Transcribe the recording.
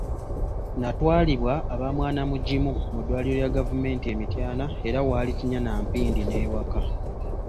Nnatwalibwa aba "Mwanamugimu" mu ddwaliro lya Gavumenti e Mityana era nga waali kinnya na mpindi n'ewaka.